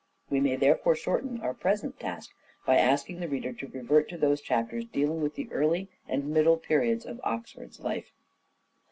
We may therefore shorten our present task by asking the reader to revert to those chapters dealing with the early and middle periods of Oxford's life.